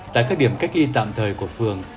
tại các điểm cách ly tạm thời của phường